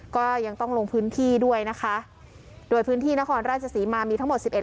ก็ยังต้องลงพื้นที่ด้วยนะคะโดยพื้นที่นครราชศรีมามีทั้งหมดสิบเอ็